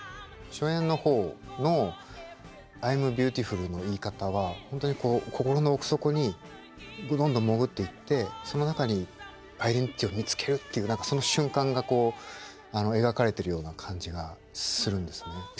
初演の方の「アイムビューティフル」の言い方は本当にこう心の奥底にどんどん潜っていってその中にアイデンティティーを見つけるっていうその瞬間がこう描かれてるような感じがするんですね。